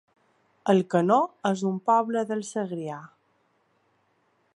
Alcanó es un poble del Segrià